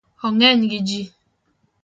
Ong’eny gi ji